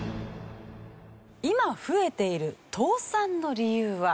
今増えている倒産の理由は？